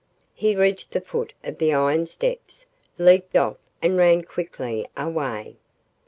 He reached the foot of the iron steps leaped off and ran quickly away.